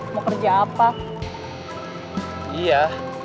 mau kerja apa